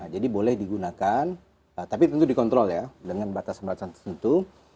jadi boleh digunakan tapi tentu dikontrol ya dengan batas merata tentu